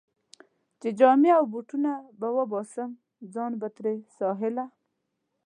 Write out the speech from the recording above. چې جامې او بوټونه به وباسم، ځان به تر ساحله.